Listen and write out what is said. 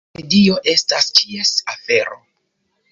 Vikipedio estas ĉies afero.